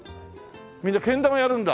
みんなけん玉やるんだ。